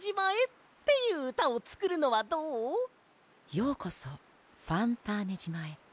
「ようこそファンターネ島へ」